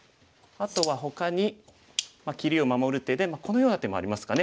あとはほかに切りを守る手でこのような手もありますかね。